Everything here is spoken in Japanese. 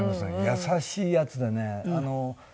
優しいヤツでね。